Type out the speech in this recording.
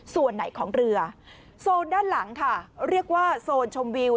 ส่วนไหนของเรือโซนด้านหลังค่ะเรียกว่าโซนชมวิว